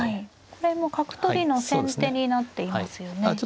これも角取りの先手になっていますよね。